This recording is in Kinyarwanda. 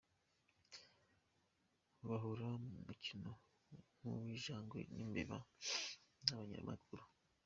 Bahora mu mukino nk’uw’injangwe n’imbeba n’abanyamakuru.